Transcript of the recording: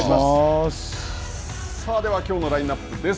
さあ、ではきょうのラインナップです。